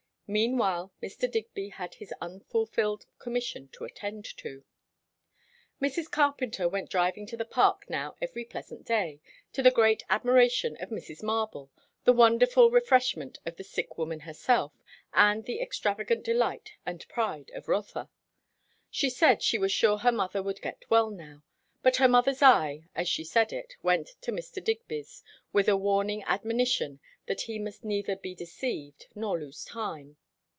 Meanwhile Mr. Digby had his unfulfilled commission to attend to. Mrs. Carpenter went driving to the Park now every pleasant day; to the great admiration of Mrs. Marble, the wonderful refreshment of the sick woman herself, and the extravagant delight and pride of Rotha. She said she was sure her mother would get well now. But her mother's eye, as she said it, went to Mr. Digby's, with a warning admonition that he must neither be deceived nor lose time.